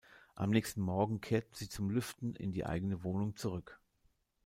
Am nächsten Morgen kehrten sie zum Lüften in die eigene Wohnung zurück.